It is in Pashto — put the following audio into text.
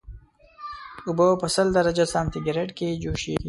اوبه په سل درجه سانتي ګریډ کې جوشیږي